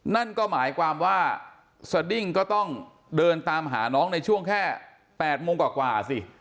นั่นก็หมายความว่าสดิ้งก็ต้องเดินตามหาน้องในช่วงแค่๘โมงกว่าสิ